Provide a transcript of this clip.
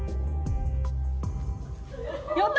やった！